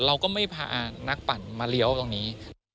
เราก็ไม่พานักปั่นมาเลี้ยวตรงนี้